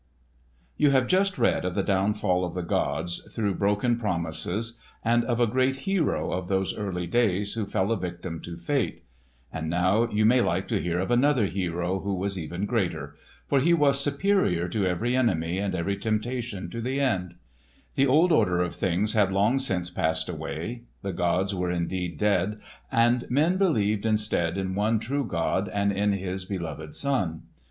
You have just read of the downfall of the gods through broken promises, and of a great hero of those early days who fell a victim to fate. And now you may like to hear of another hero who was even greater, for he was superior to every enemy and every temptation to the end. The old order of things had long since passed away. The gods were indeed dead, and men believed instead in one true God and in His beloved Son.